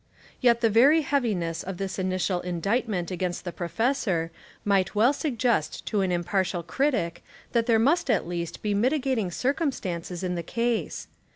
Yet the very heaviness of this initial indict ment against the professor might well sug gest to an impartial critic that there must at least be mitigating circumstances in the case.